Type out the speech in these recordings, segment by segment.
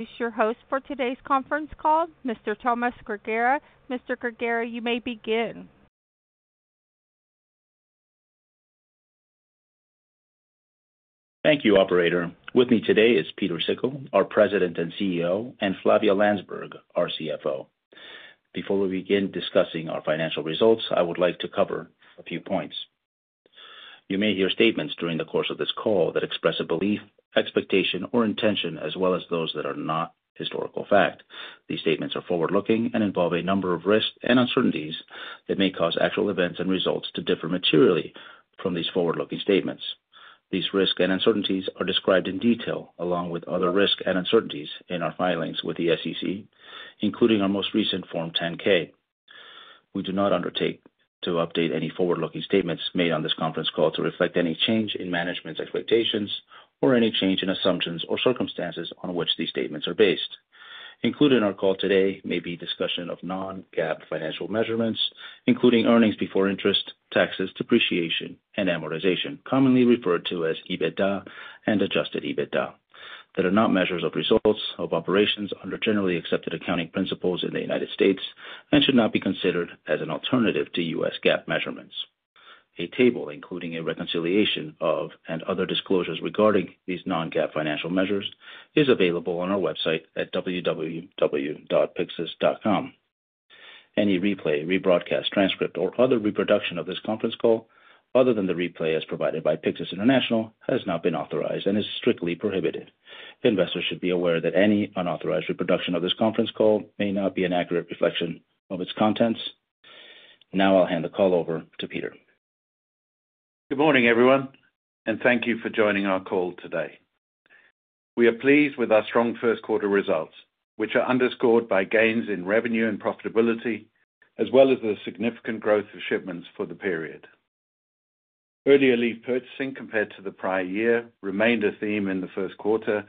Is your host for today's conference call, Mr. Tomas Grigera. Mr. Grigera, you may begin. Thank you, operator. With me today is Pieter Sikkel, our President and CEO, and Flavia Landsberg, our CFO. Before we begin discussing our financial results, I would like to cover a few points. You may hear statements during the course of this call that express a belief, expectation, or intention, as well as those that are not historical fact. These statements are forward-looking and involve a number of risks and uncertainties that may cause actual events and results to differ materially from these forward-looking statements. These risks and uncertainties are described in detail, along with other risks and uncertainties in our filings with the SEC, including our most recent Form 10-K. We do not undertake to update any forward-looking statements made on this conference call to reflect any change in management's expectations or any change in assumptions or circumstances on which these statements are based. Included in our call today may be discussion of non-GAAP financial measurements, including earnings before interest, taxes, depreciation, and amortization, commonly referred to as EBITDA and adjusted EBITDA, that are not measures of results of operations under generally accepted accounting principles in the United States and should not be considered as an alternative to U.S. GAAP measurements. A table including a reconciliation of, and other disclosures regarding these non-GAAP financial measures, is available on our website at www.pyxus.com. Any replay, rebroadcast, transcript, or other reproduction of this conference call, other than the replay as provided by Pyxus International, has not been authorized and is strictly prohibited. Investors should be aware that any unauthorized reproduction of this conference call may not be an accurate reflection of its contents. Now I'll hand the call over to Pieter. Good morning, everyone, and thank you for joining our call today. We are pleased with our strong first quarter results, which are underscored by gains in revenue and profitability, as well as the significant growth of shipments for the period. Earlier leaf purchasing compared to the prior year remained a theme in the first quarter,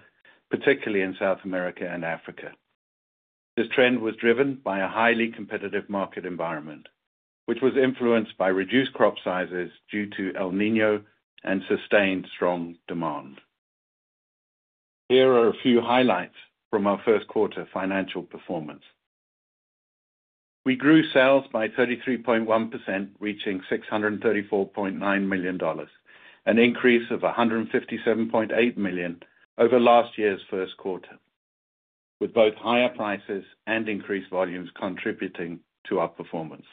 particularly in South America and Africa. This trend was driven by a highly competitive market environment, which was influenced by reduced crop sizes due to El Niño and sustained strong demand. Here are a few highlights from our first quarter financial performance. We grew sales by 33.1%, reaching $634.9 million, an increase of $157.8 million over last year's first quarter, with both higher prices and increased volumes contributing to our performance.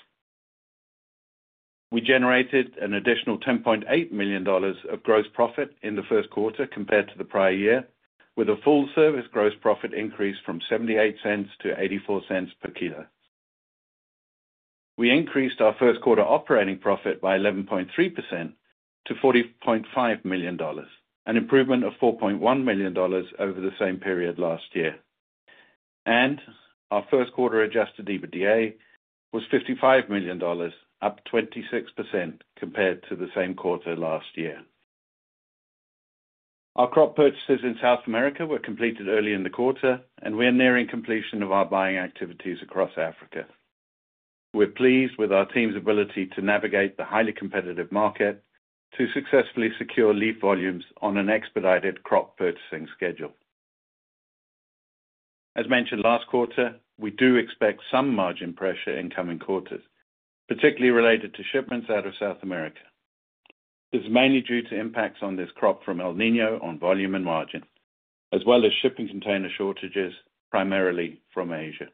We generated an additional $10.8 million of gross profit in the first quarter compared to the prior year, with a full service gross profit increase from $0.78 to $0.84 per kilo. We increased our first quarter operating profit by 11.3% to $40.5 million, an improvement of $4.1 million over the same period last year. Our first quarter adjusted EBITDA was $55 million, up 26% compared to the same quarter last year. Our crop purchases in South America were completed early in the quarter, and we are nearing completion of our buying activities across Africa. We're pleased with our team's ability to navigate the highly competitive market to successfully secure leaf volumes on an expedited crop purchasing schedule. As mentioned last quarter, we do expect some margin pressure in coming quarters, particularly related to shipments out of South America. This is mainly due to impacts on this crop from El Niño on volume and margin, as well as shipping container shortages, primarily from Asia.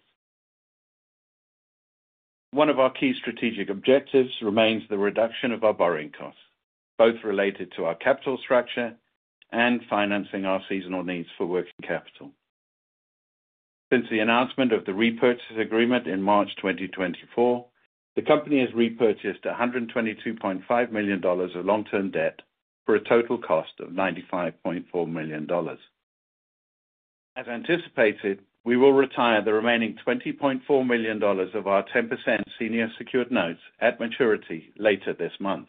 One of our key strategic objectives remains the reduction of our borrowing costs, both related to our capital structure and financing our seasonal needs for working capital. Since the announcement of the repurchase agreement in March 2024, the company has repurchased $122.5 million of long-term debt for a total cost of $95.4 million. As anticipated, we will retire the remaining $20.4 million of our 10% senior secured notes at maturity later this month.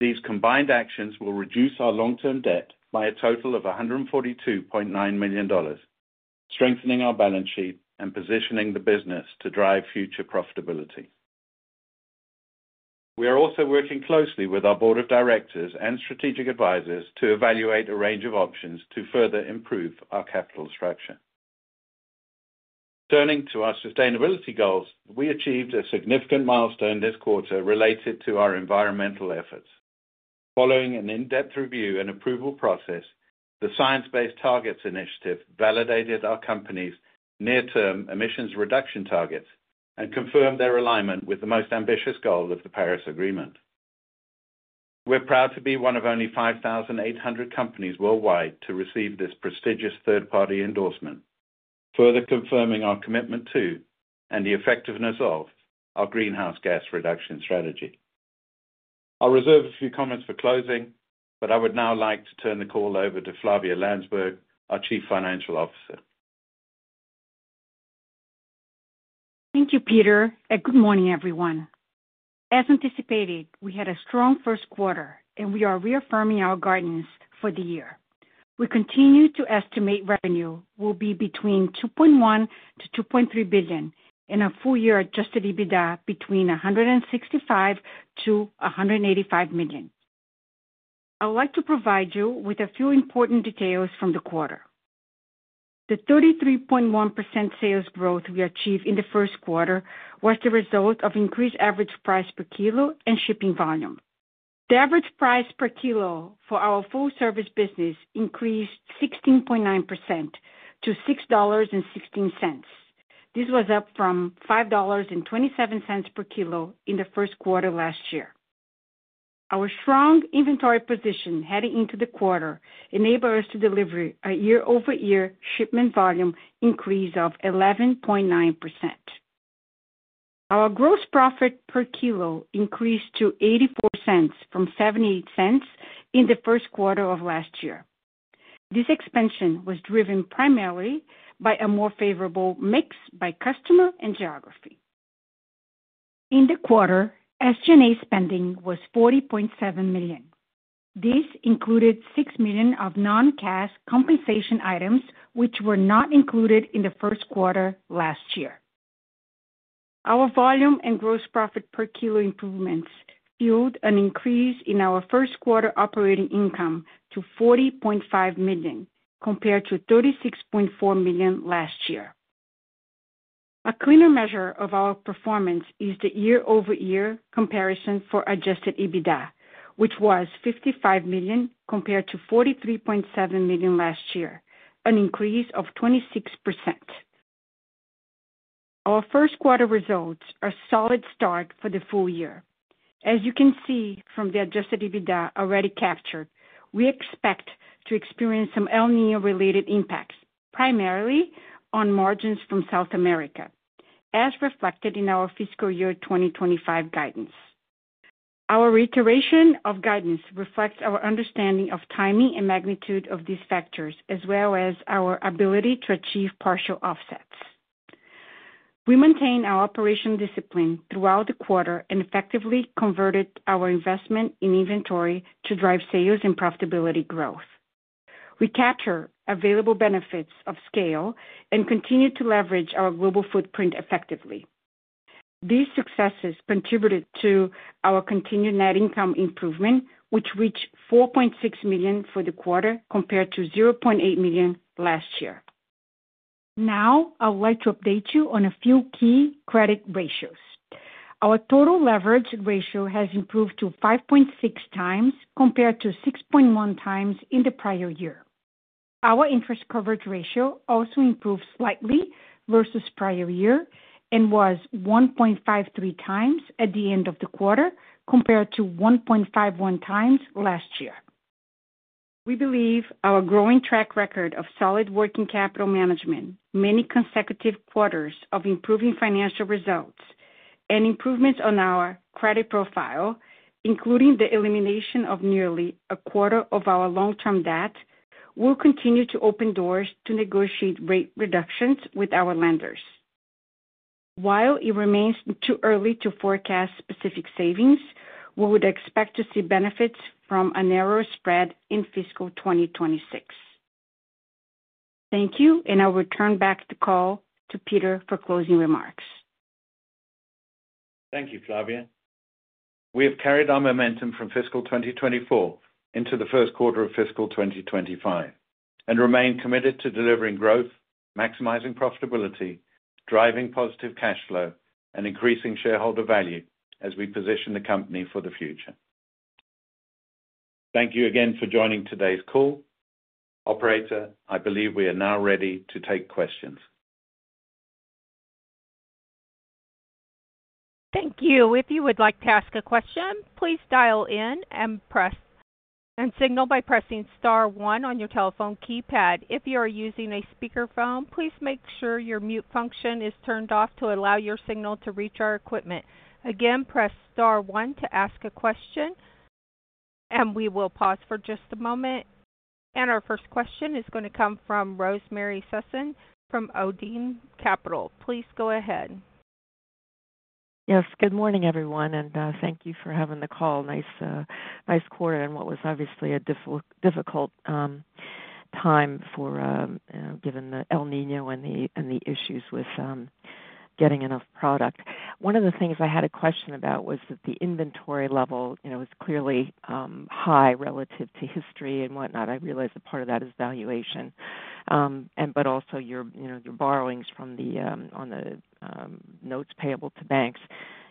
These combined actions will reduce our long-term debt by a total of $142.9 million, strengthening our balance sheet and positioning the business to drive future profitability. We are also working closely with our board of directors and strategic advisors to evaluate a range of options to further improve our capital structure. Turning to our sustainability goals, we achieved a significant milestone this quarter related to our environmental efforts. Following an in-depth review and approval process, the Science Based Targets initiative validated our company's near-term emissions reduction targets and confirmed their alignment with the most ambitious goal of the Paris Agreement. We're proud to be one of only 5,800 companies worldwide to receive this prestigious third-party endorsement, further confirming our commitment to, and the effectiveness of, our greenhouse gas reduction strategy. I'll reserve a few comments for closing, but I would now like to turn the call over to Flavia Landsberg, our Chief Financial Officer. Thank you, Pieter, and good morning, everyone. As anticipated, we had a strong first quarter, and we are reaffirming our guidance for the year. We continue to estimate revenue will be between $2.1-$2.3 billion in a full year, adjusted EBITDA between $165-$185 million.... I would like to provide you with a few important details from the quarter. The 33.1% sales growth we achieved in the first quarter was the result of increased average price per kilo and shipping volume. The average price per kilo for our full service business increased 16.9% to $6.16. This was up from $5.27 per kilo in the first quarter last year. Our strong inventory position heading into the quarter enabled us to deliver a year-over-year shipment volume increase of 11.9%. Our gross profit per kilo increased to $0.84 from $0.78 in the first quarter of last year. This expansion was driven primarily by a more favorable mix by customer and geography. In the quarter, SG&A spending was $40.7 million. This included $6 million of non-cash compensation items, which were not included in the first quarter last year. Our volume and gross profit per kilo improvements fueled an increase in our first quarter operating income to $40.5 million, compared to $36.4 million last year. A cleaner measure of our performance is the year-over-year comparison for adjusted EBITDA, which was $55 million compared to $43.7 million last year, an increase of 26%. Our first quarter results are a solid start for the full year. As you can see from the adjusted EBITDA already captured, we expect to experience some El Niño-related impacts, primarily on margins from South America, as reflected in our fiscal year 2025 guidance. Our reiteration of guidance reflects our understanding of timing and magnitude of these factors, as well as our ability to achieve partial offsets. We maintain our operational discipline throughout the quarter and effectively converted our investment in inventory to drive sales and profitability growth. We capture available benefits of scale and continue to leverage our global footprint effectively. These successes contributed to our continued net income improvement, which reached $4.6 million for the quarter, compared to $0.8 million last year. Now, I would like to update you on a few key credit ratios. Our total leverage ratio has improved to 5.6 times, compared to 6.1 times in the prior year. Our interest coverage ratio also improved slightly versus prior year and was 1.53 times at the end of the quarter, compared to 1.51 times last year. We believe our growing track record of solid working capital management, many consecutive quarters of improving financial results, and improvements on our credit profile, including the elimination of nearly a quarter of our long-term debt, will continue to open doors to negotiate rate reductions with our lenders. While it remains too early to forecast specific savings, we would expect to see benefits from a narrower spread in fiscal 2026. Thank you, and I'll return back the call to Pieter for closing remarks. Thank you, Flavia. We have carried our momentum from fiscal 2024 into the first quarter of fiscal 2025, and remain committed to delivering growth, maximizing profitability, driving positive cash flow, and increasing shareholder value as we position the company for the future. Thank you again for joining today's call. Operator, I believe we are now ready to take questions. Thank you. If you would like to ask a question, please dial in and press, and signal by pressing star one on your telephone keypad. If you are using a speakerphone, please make sure your mute function is turned off to allow your signal to reach our equipment. Again, press star one to ask a question, and we will pause for just a moment. Our first question is gonna come from Rosemary Sisson from Odeon Capital. Please go ahead. Yes, good morning, everyone, and thank you for having the call. Nice, nice quarter in what was obviously a difficult time for, given the El Niño and the issues with getting enough product. One of the things I had a question about was that the inventory level, you know, is clearly high relative to history and whatnot. I realize that part of that is valuation. And but also your, you know, your borrowings from the on the notes payable to banks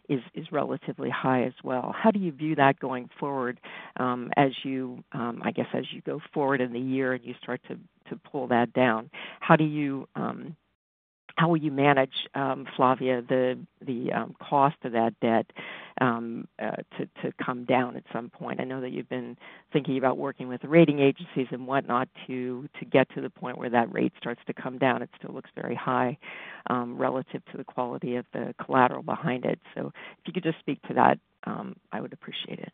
is relatively high as well. How do you view that going forward, as you, I guess, as you go forward in the year and you start to pull that down? How do you, how will you manage, Flavia, the cost of that debt to come down at some point? I know that you've been thinking about working with the rating agencies and whatnot to get to the point where that rate starts to come down. It still looks very high relative to the quality of the collateral behind it. So if you could just speak to that, I would appreciate it.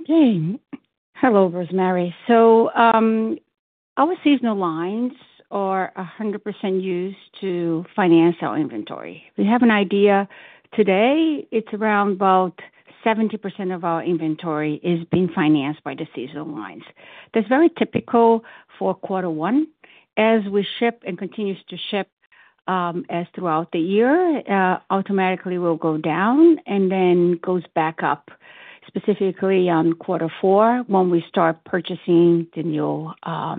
Okay. Hello, Rosemary. So, our seasonal lines are 100% used to finance our inventory. We have an idea today, it's around about 70% of our inventory is being financed by the seasonal lines. That's very typical for quarter one. As we ship and continue to ship throughout the year, automatically it will go down and then goes back up, specifically on quarter four when we start purchasing the new crop.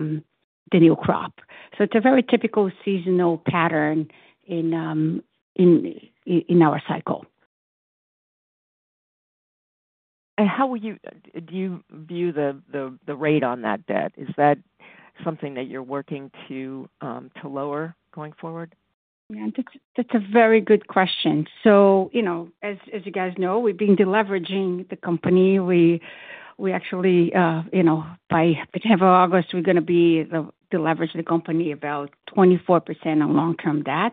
So it's a very typical seasonal pattern in our cycle. Do you view the rate on that debt? Is that something that you're working to lower going forward? Yeah, that's a very good question. So, you know, as you guys know, we've been deleveraging the company. We actually, you know, by October, August, we're gonna be deleverage the company about 24% on long-term debt.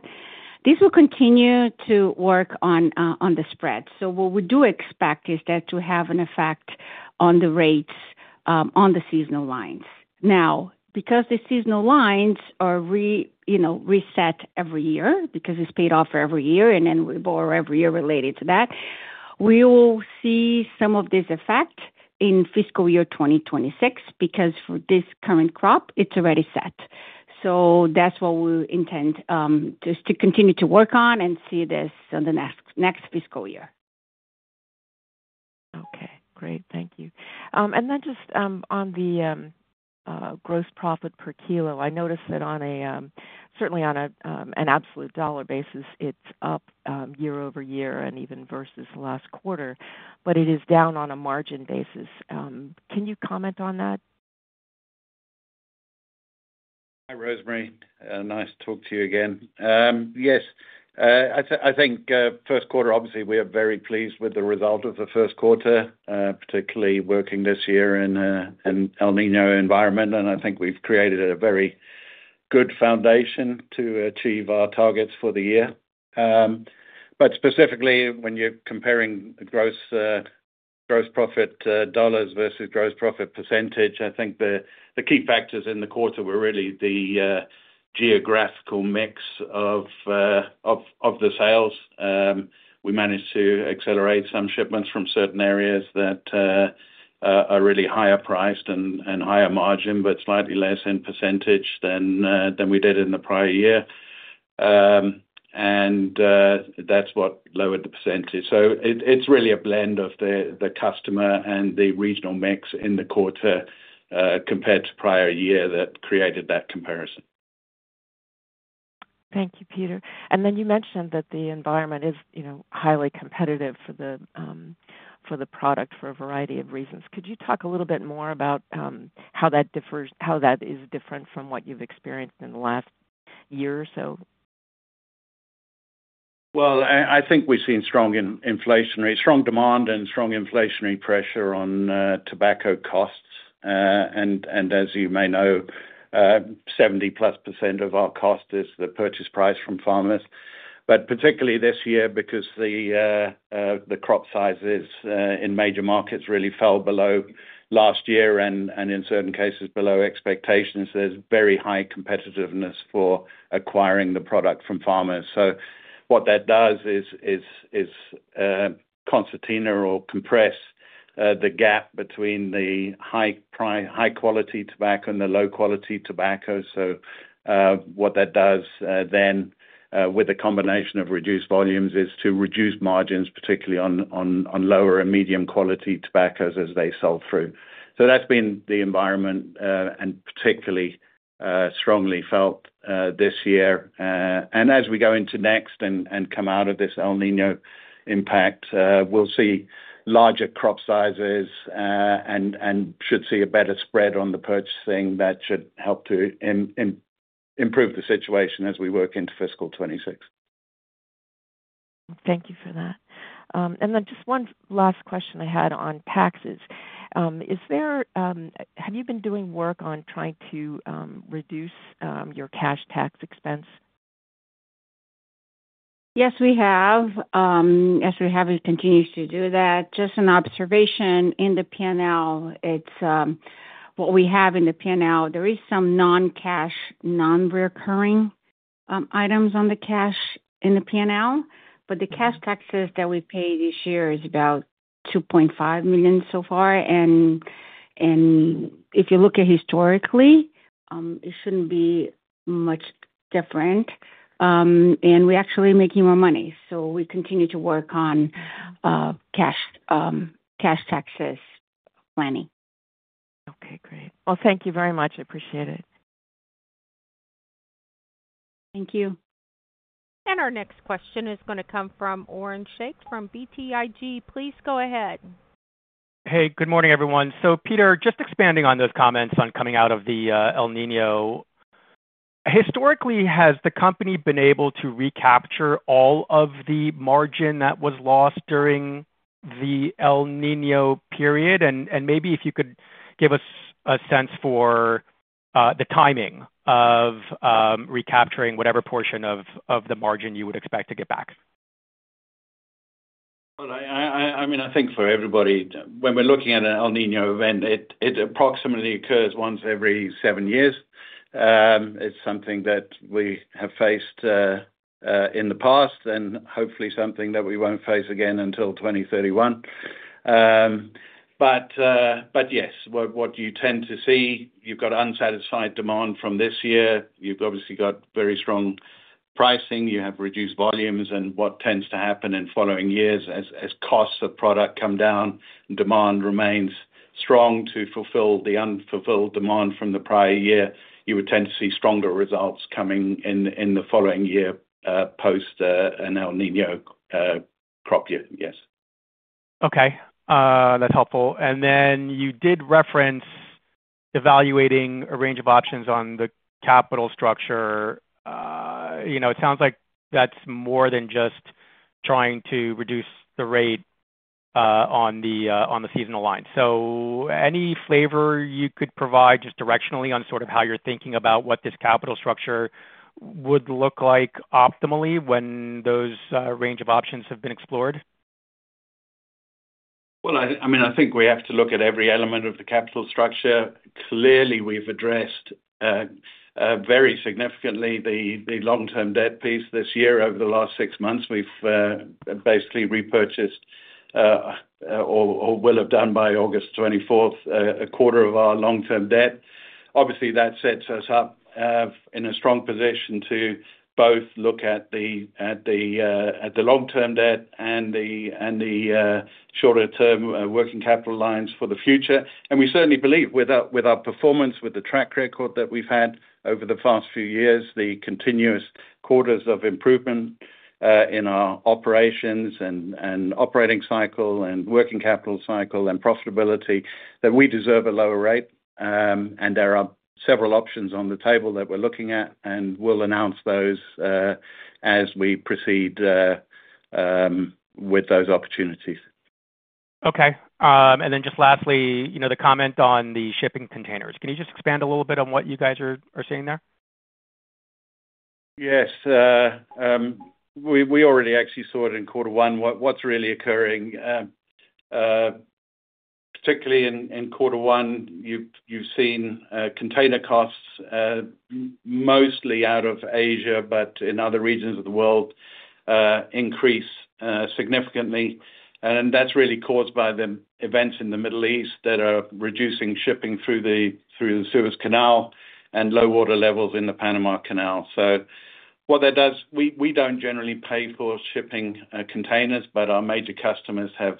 This will continue to work on the spread. So what we do expect is that to have an effect on the rates on the seasonal lines. Now, because the seasonal lines are, you know, reset every year, because it's paid off every year, and then we borrow every year related to that, we will see some of this effect in fiscal year 2026, because for this current crop, it's already set. So that's what we intend just to continue to work on and see this on the next fiscal year. Okay, great. Thank you. And then just on the gross profit per kilo, I noticed that certainly on an absolute dollar basis, it's up year-over-year and even versus last quarter, but it is down on a margin basis. Can you comment on that? Hi, Rosemary, nice to talk to you again. Yes, I think first quarter, obviously, we are very pleased with the result of the first quarter, particularly working this year in an El Niño environment, and I think we've created a very good foundation to achieve our targets for the year. But specifically, when you're comparing gross profit dollars versus gross profit percentage, I think the key factors in the quarter were really the geographical mix of the sales. We managed to accelerate some shipments from certain areas that are really higher priced and higher margin, but slightly less in percentage than we did in the prior year. And that's what lowered the percentage. So it's really a blend of the customer and the regional mix in the quarter, compared to prior year that created that comparison. Thank you, Pieter. And then you mentioned that the environment is, you know, highly competitive for the, for the product for a variety of reasons. Could you talk a little bit more about, how that differs, how that is different from what you've experienced in the last year or so? Well, I think we've seen strong inflationary, strong demand and strong inflationary pressure on tobacco costs. And as you may know, 70+% of our cost is the purchase price from farmers. But particularly this year, because the crop sizes in major markets really fell below last year, and in certain cases, below expectations, there's very high competitiveness for acquiring the product from farmers. So what that does is concertina or compress the gap between the high quality tobacco and the low quality tobacco. So what that does, then, with a combination of reduced volumes, is to reduce margins, particularly on lower and medium quality tobaccos as they sell through. So that's been the environment, and particularly strongly felt this year. As we go into next year and come out of this El Niño impact, we'll see larger crop sizes and should see a better spread on the purchasing that should help to improve the situation as we work into fiscal 2026. Thank you for that. And then just one last question I had on taxes. Is there... Have you been doing work on trying to reduce your cash tax expense? Yes, we have. Yes, we have, and continues to do that. Just an observation, in the P&L, it's what we have in the P&L. There is some non-cash, non-recurring items on the cash in the P&L, but the cash taxes that we paid this year is about $2.5 million so far, and if you look at historically, it shouldn't be much different. And we're actually making more money, so we continue to work on cash taxes planning. Okay, great. Well, thank you very much. I appreciate it. Thank you. Our next question is gonna come from Oren Shaked from BTIG. Please go ahead. Hey, good morning, everyone. So, Pieter, just expanding on those comments on coming out of the El Niño. Historically, has the company been able to recapture all of the margin that was lost during the El Niño period? And maybe if you could give us a sense for the timing of recapturing whatever portion of the margin you would expect to get back. Well, I mean, I think for everybody, when we're looking at an El Niño event, it approximately occurs once every seven years. It's something that we have faced in the past, and hopefully something that we won't face again until 2031. But yes, what you tend to see, you've got unsatisfied demand from this year. You've obviously got very strong pricing. You have reduced volumes, and what tends to happen in following years as costs of product come down, demand remains strong to fulfill the unfulfilled demand from the prior year. You would tend to see stronger results coming in in the following year post an El Niño crop year. Yes. Okay. That's helpful. And then you did reference evaluating a range of options on the capital structure. You know, it sounds like that's more than just trying to reduce the rate on the seasonal line. So any flavor you could provide just directionally on sort of how you're thinking about what this capital structure would look like optimally when those range of options have been explored? Well, I mean, I think we have to look at every element of the capital structure. Clearly, we've addressed very significantly the long-term debt piece this year. Over the last six months, we've basically repurchased or will have done by August 24th a quarter of our long-term debt. Obviously, that sets us up in a strong position to both look at the long-term debt and the shorter term working capital lines for the future. And we certainly believe with our performance, with the track record that we've had over the past few years, the continuous quarters of improvement in our operations and operating cycle and working capital cycle and profitability, that we deserve a lower rate. There are several options on the table that we're looking at, and we'll announce those as we proceed with those opportunities. Okay. And then just lastly, you know, the comment on the shipping containers. Can you just expand a little bit on what you guys are seeing there? Yes. We already actually saw it in quarter one. What’s really occurring, particularly in quarter one, you’ve seen container costs mostly out of Asia, but in other regions of the world, increase significantly. And that’s really caused by the events in the Middle East that are reducing shipping through the Suez Canal and low water levels in the Panama Canal. So what that does, we don’t generally pay for shipping containers, but our major customers have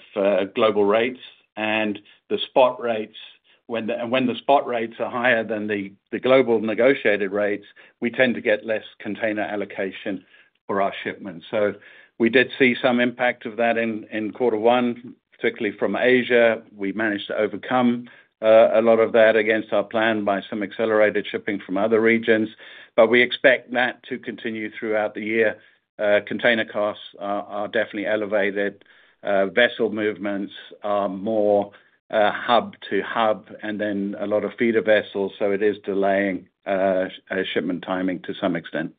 global rates and the spot rates, when the spot rates are higher than the global negotiated rates, we tend to get less container allocation for our shipments. So we did see some impact of that in quarter one, particularly from Asia. We managed to overcome a lot of that against our plan by some accelerated shipping from other regions, but we expect that to continue throughout the year. Container costs are definitely elevated. Vessel movements are more hub to hub, and then a lot of feeder vessels, so it is delaying shipment timing to some extent.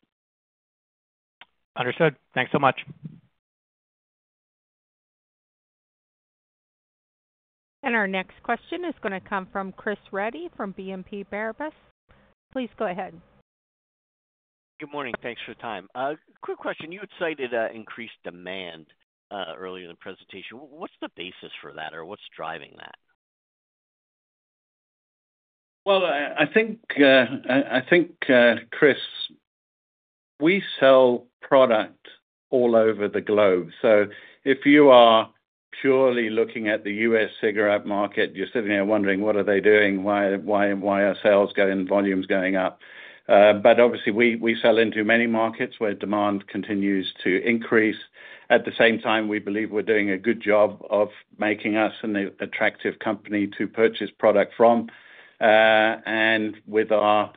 Understood. Thanks so much. Our next question is gonna come from Chris Reddy, from BNP Paribas. Please go ahead. Good morning. Thanks for your time. Quick question. You had cited increased demand earlier in the presentation. What's the basis for that? Or what's driving that? Well, I think, Chris, we sell product all over the globe. So if you are purely looking at the U.S. cigarette market, you're sitting there wondering, what are they doing? Why, why, why are sales going and volumes going up? But obviously, we sell into many markets, where demand continues to increase. At the same time, we believe we're doing a good job of making us an attractive company to purchase product from. And with our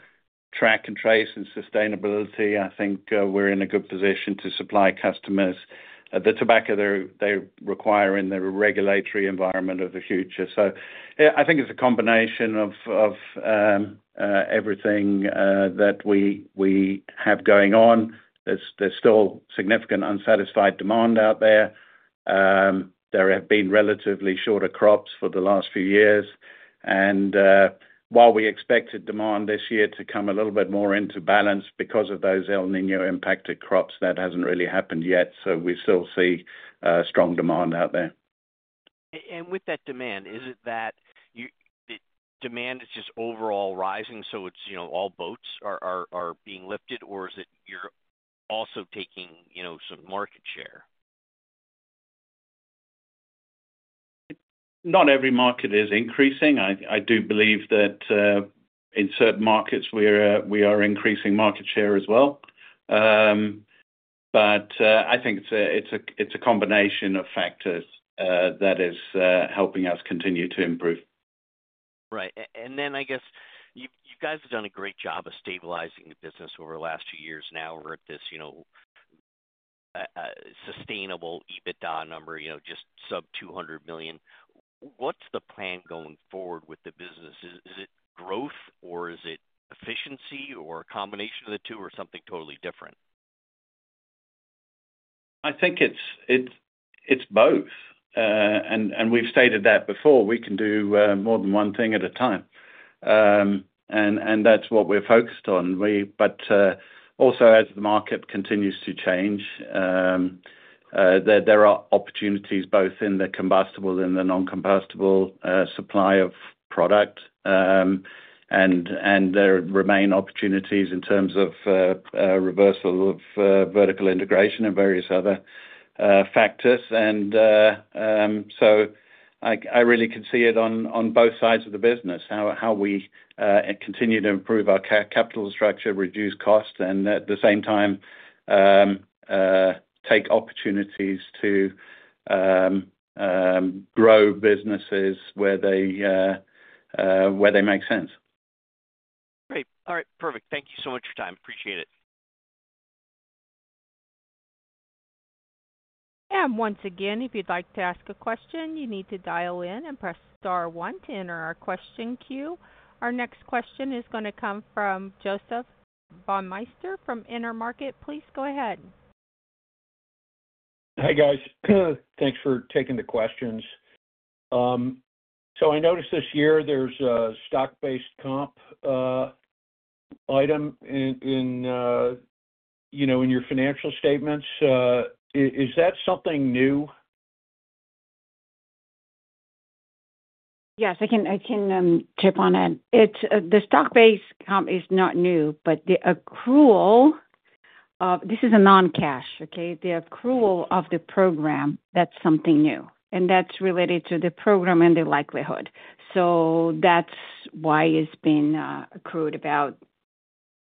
track and trace and sustainability, I think, we're in a good position to supply customers, the tobacco they're they require in the regulatory environment of the future. So, yeah, I think it's a combination of everything that we have going on. There's still significant unsatisfied demand out there. There have been relatively shorter crops for the last few years, and while we expected demand this year to come a little bit more into balance because of those El Niño-impacted crops, that hasn't really happened yet, so we still see strong demand out there. And with that demand, is it that you... Demand is just overall rising, so it's, you know, all boats are being lifted, or is it you're also taking, you know, some market share? Not every market is increasing. I do believe that in certain markets we are increasing market share as well. But I think it's a combination of factors that is helping us continue to improve. Right. And then I guess you guys have done a great job of stabilizing the business over the last few years. Now we're at this, you know, sustainable EBITDA number, you know, just sub $200 million. What's the plan going forward with the business? Is it growth, or is it efficiency, or a combination of the two, or something totally different? I think it's both. And we've stated that before. We can do more than one thing at a time. And that's what we're focused on. But also, as the market continues to change, there are opportunities both in the combustible and the non-combustible supply of product. And there remain opportunities in terms of reversal of vertical integration and various other factors. So I really can see it on both sides of the business, how we continue to improve our capital structure, reduce cost, and at the same time, take opportunities to grow businesses where they make sense. Great. All right, perfect. Thank you so much for your time. Appreciate it. And once again, if you'd like to ask a question, you need to dial in and press star one to enter our question queue. Our next question is gonna come from Joseph Baumeister from Intermarket. Please go ahead. Hi, guys. Thanks for taking the questions. So I noticed this year there's a stock-based comp item in, you know, in your financial statements. Is that something new? Yes, I can, I can, jump on it. It's the stock-based comp is not new, but the accrual of this is a non-cash, okay? The accrual of the program, that's something new, and that's related to the program and the likelihood. So that's why it's been accrued about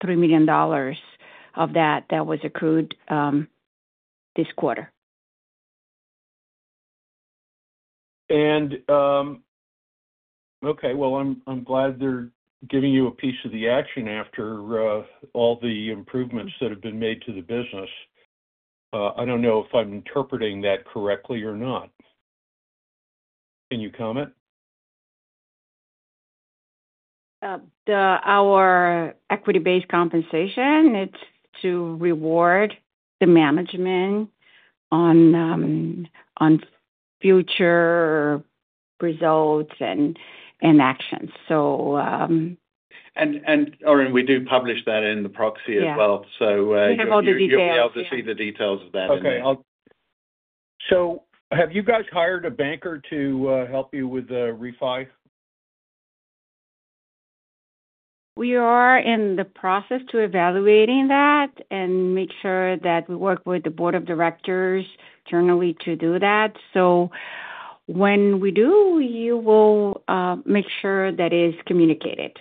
$3 million of that, that was accrued this quarter. Okay, well, I'm glad they're giving you a piece of the action after all the improvements that have been made to the business. I don't know if I'm interpreting that correctly or not. Can you comment? Our equity-based compensation, it's to reward the management on future results and actions. So, We do publish that in the proxy as well. Yeah. So, uh- You have all the details.... you'll be able to see the details of that in there. Okay, so have you guys hired a banker to help you with the refi? We are in the process to evaluating that and make sure that we work with the board of directors internally to do that. So when we do, you will make sure that is communicated.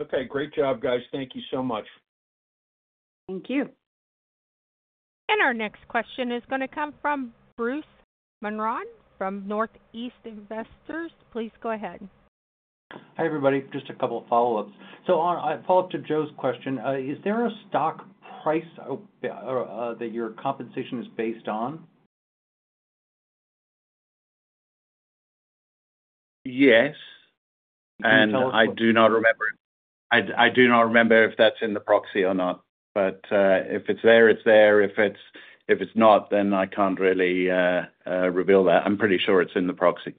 Okay. Great job, guys. Thank you so much. Thank you. Our next question is gonna come from Bruce Monrad from Northeast Investors Trust. Please go ahead. Hi, everybody. Just a couple of follow-ups. So on a follow-up to Joe's question, is there a stock price or that your compensation is based on? Yes, and- Can you tell us what? I do not remember. I do not remember if that's in the proxy or not, but, if it's there, it's there. If it's not, then I can't really reveal that. I'm pretty sure it's in the proxy.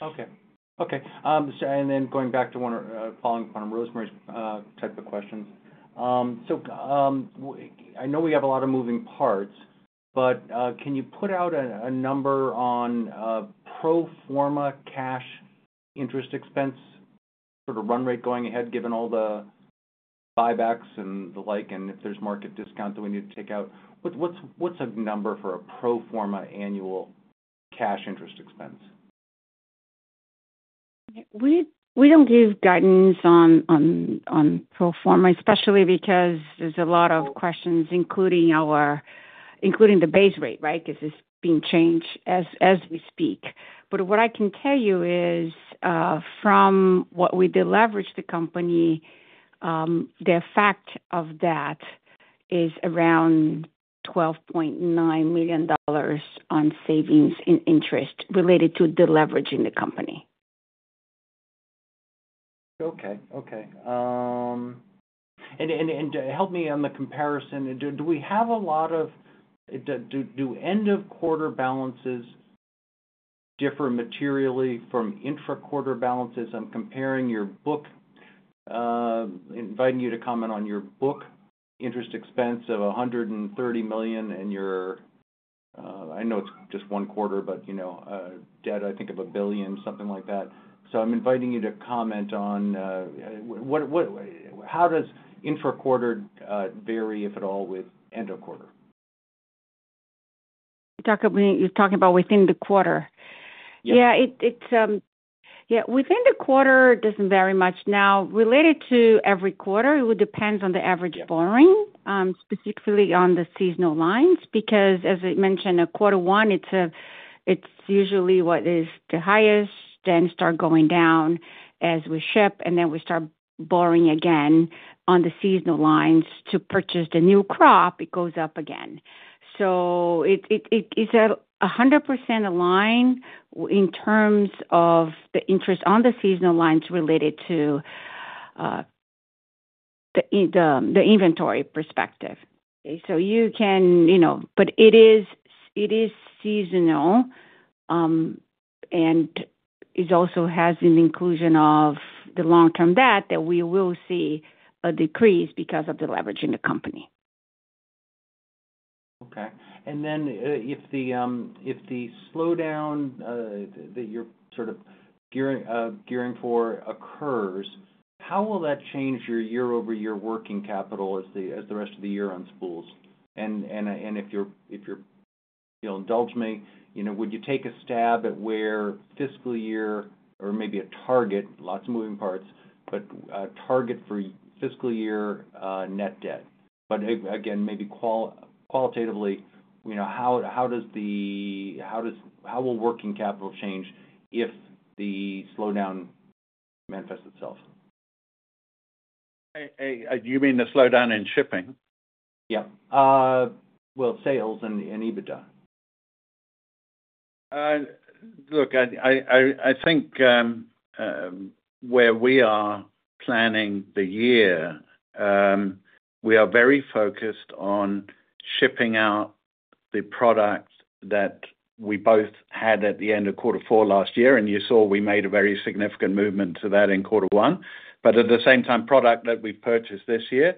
Okay. Okay, so and then going back to one, following up on Rosemary's type of questions. So, I know we have a lot of moving parts, but, can you put out a number on pro forma cash interest expense, sort of run rate going ahead, given all the buybacks and the like, and if there's market discount that we need to take out? What's a number for a pro forma annual cash interest expense? We don't give guidance on pro forma, especially because there's a lot of questions, including the base rate, right? Because it's being changed as we speak. But what I can tell you is, from what we deleveraged the company, the effect of that is around $12.9 million on savings in interest related to deleveraging the company. Okay, okay. And help me on the comparison. Do end of quarter balances differ materially from intra-quarter balances? I'm comparing your book, inviting you to comment on your book interest expense of $130 million and your, I know it's just one quarter, but, you know, debt, I think of $1 billion, something like that. So I'm inviting you to comment on, what, how does intra-quarter vary, if at all, with end of quarter? You're talking, you're talking about within the quarter? Yeah. Yeah, within the quarter, it doesn't vary much. Now, related to every quarter, it would depends on the average borrowing- Yeah... specifically on the seasonal lines, because as I mentioned, at quarter one, it's usually what is the highest, then start going down as we ship, and then we start borrowing again on the seasonal lines to purchase the new crop, it goes up again. So it is 100% aligned in terms of the interest on the seasonal lines related to the inventory perspective. Okay, so you can, you know, but it is seasonal, and it also has an inclusion of the long-term debt that we will see a decrease because of the leverage in the company. Okay. And then, if the slowdown that you're sort of gearing for occurs, how will that change your year-over-year working capital as the rest of the year unspools? And if you're, you'll indulge me, you know, would you take a stab at where fiscal year or maybe a target, lots of moving parts, but a target for fiscal year net debt? But again, maybe qualitatively, you know, how will working capital change if the slowdown manifests itself? Do you mean the slowdown in shipping? Yeah. Well, sales and EBITDA. Look, I think where we are planning the year, we are very focused on shipping out the product that we both had at the end of quarter four last year, and you saw we made a very significant movement to that in quarter one. But at the same time, product that we've purchased this year,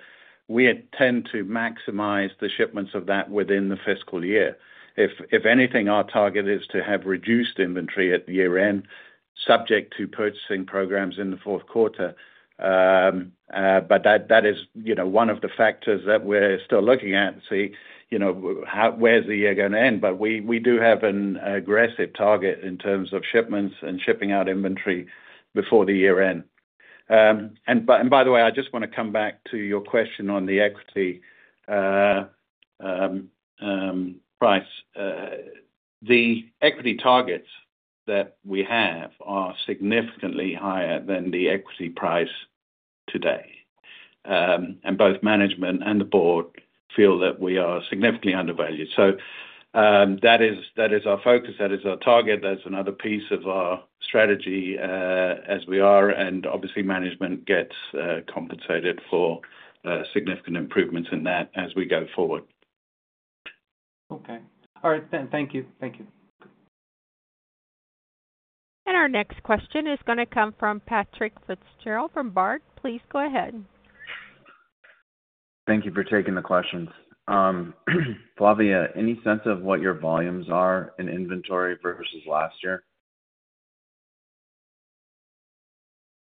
we intend to maximize the shipments of that within the fiscal year. If anything, our target is to have reduced inventory at year-end, subject to purchasing programs in the fourth quarter. But that is, you know, one of the factors that we're still looking at to see, you know, how, where's the year gonna end. But we do have an aggressive target in terms of shipments and shipping out inventory before the year end. And by the way, I just wanna come back to your question on the equity price. The equity targets that we have are significantly higher than the equity price today. And both management and the board feel that we are significantly undervalued. So, that is our focus, that is our target. That's another piece of our strategy, as we are, and obviously management gets compensated for significant improvements in that as we go forward. Okay. All right, then. Thank you. Thank you. Our next question is gonna come from Patrick Fitzgerald from Baird. Please go ahead. Thank you for taking the questions. Flavia, any sense of what your volumes are in inventory versus last year?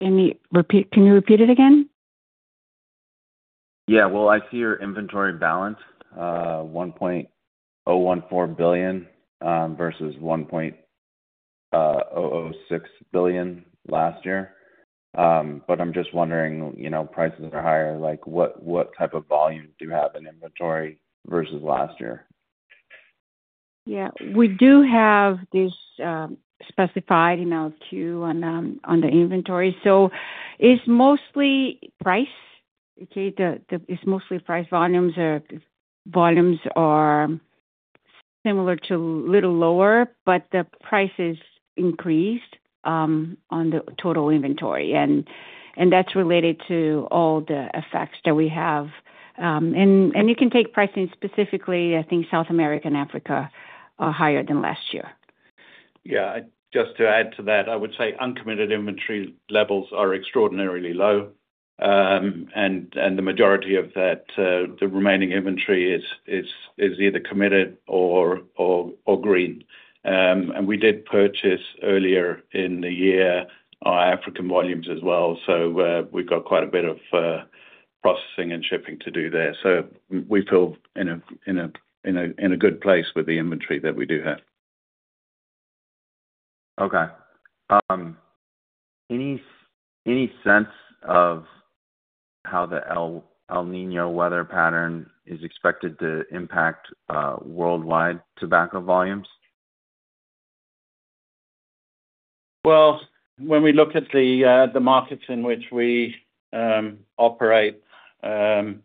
Can you repeat, can you repeat it again? Yeah. Well, I see your inventory balance $1.014 billion versus $1.006 billion last year. But I'm just wondering, you know, prices are higher, like what, what type of volume do you have in inventory versus last year? Yeah. We do have this, specified in Note 2 on, on the inventory. So it's mostly price. Okay, the, it's mostly price volumes or volumes are similar to little lower, but the prices increased, on the total inventory. And that's related to all the effects that we have. And you can take pricing specifically, I think South America and Africa are higher than last year. Yeah, just to add to that, I would say uncommitted inventory levels are extraordinarily low. And the majority of that, the remaining inventory is either committed or green. And we did purchase earlier in the year, our African volumes as well, so we've got quite a bit of processing and shipping to do there. So we feel in a good place with the inventory that we do have. Okay. Any sense of how the El Niño weather pattern is expected to impact worldwide tobacco volumes? Well, when we look at the markets in which we operate, the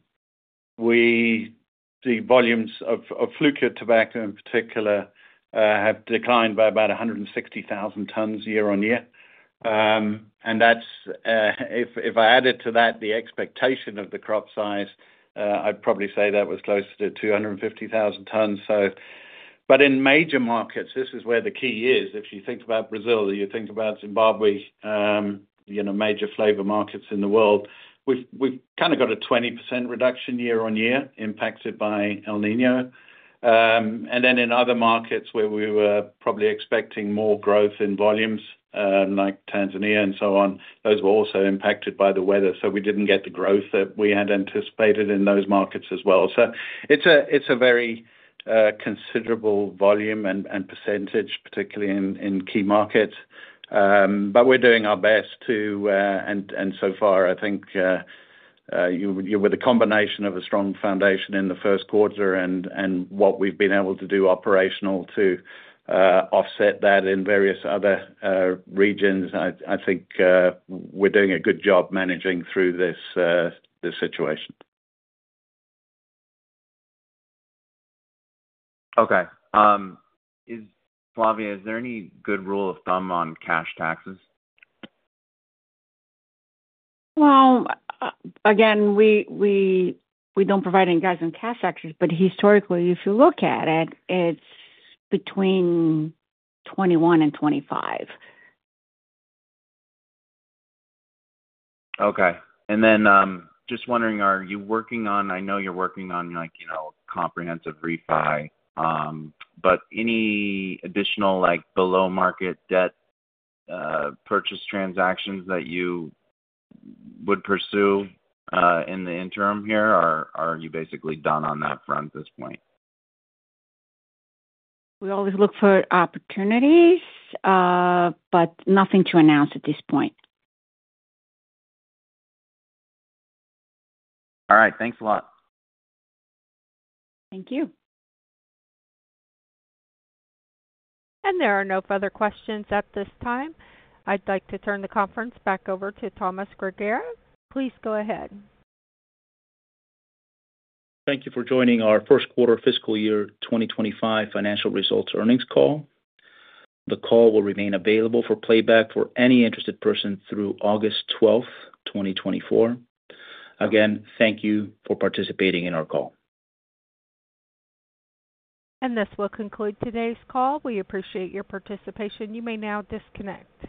volumes of flue-cured tobacco in particular have declined by about 160,000 tons year-on-year. And that's if I added to that, the expectation of the crop size, I'd probably say that was closer to 250,000 tons, so. But in major markets, this is where the key is. If you think about Brazil, you think about Zimbabwe, you know, major flavor markets in the world, we've kind of got a 20% reduction year-on-year, impacted by El Niño. And then in other markets where we were probably expecting more growth in volumes, like Tanzania and so on, those were also impacted by the weather, so we didn't get the growth that we had anticipated in those markets as well. So it's a, it's a very considerable volume and percentage, particularly in key markets. But we're doing our best to, and so far, I think you, with a combination of a strong foundation in the first quarter and what we've been able to do operational to offset that in various other regions, I think we're doing a good job managing through this situation. Okay, Flavia, is there any good rule of thumb on cash taxes? Well, again, we don't provide any guidance on cash taxes, but historically, if you look at it, it's between 21 and 25. Okay. And then, just wondering, are you working on—I know you're working on, like, you know, comprehensive refi, but any additional, like, below-market debt purchase transactions that you would pursue, in the interim here, or are you basically done on that front at this point? We always look for opportunities, but nothing to announce at this point. All right. Thanks a lot. Thank you. There are no further questions at this time. I'd like to turn the conference back over to Tomas Grigera. Please go ahead. Thank you for joining our first quarter fiscal year 2025 financial results earnings call. The call will remain available for playback for any interested person through August 12, 2024. Again, thank you for participating in our call. This will conclude today's call. We appreciate your participation. You may now disconnect.